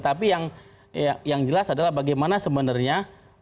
tapi yang jelas adalah bagaimana sebenarnya